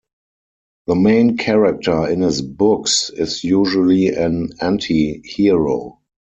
The main character in his books is usually an anti-hero.